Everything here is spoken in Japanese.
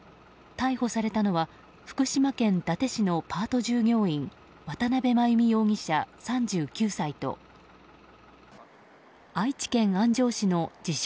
逮捕されたのは福島県伊達市のパート従業員渡邉真由美容疑者、３９歳と愛知県安城市の自称